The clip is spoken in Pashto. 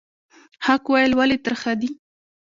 حق ویل ولې ترخه دي؟